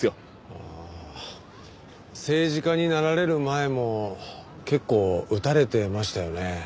ああ政治家になられる前も結構打たれてましたよね？